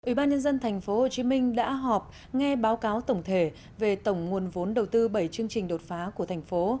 ủy ban nhân dân tp hcm đã họp nghe báo cáo tổng thể về tổng nguồn vốn đầu tư bảy chương trình đột phá của thành phố